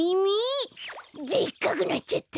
でっかくなっちゃった！